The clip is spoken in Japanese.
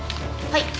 はい。